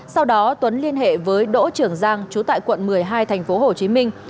sau đó tuấn liên hệ với đỗ trường giang trú tại quận một mươi hai thành phố hồ chí minh